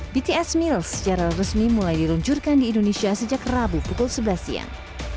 bts meals secara resmi mulai diluncurkan di indonesia sejak rabu pukul sebelas siang